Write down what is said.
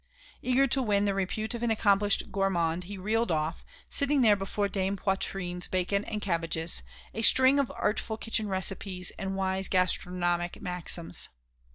Eager to win the repute of an accomplished gourmand he reeled off, sitting there before Dame Poitrine's bacon and cabbages, a string of artful kitchen recipes and wise gastronomic maxims.